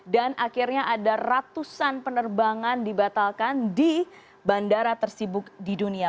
dan akhirnya ada ratusan penerbangan dibatalkan di bandara tersibuk di dunia